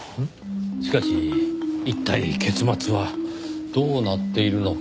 しかし一体結末はどうなっているのか。